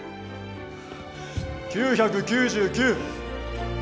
９９９。